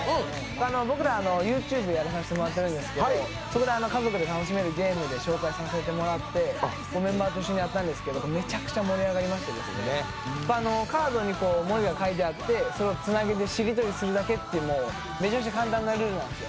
僕らＹｏｕＴｕｂｅやらせてもらってるんですけど、そこで、家族で楽しめるゲームで紹介させてもらって、メンバーと一緒にやったんですけどめちゃくちゃ盛り上がりましてカードに文字が書いてあってそれをつなげてしりとりするだけというめちゃくちゃ簡単なルールなんですよ。